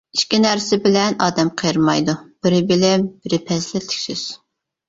ئىككى نەرسە بىلەن ئادەم قېرىمايدۇ: بىرى بىلىم، بىرى پەزىلەتلىك سۆز.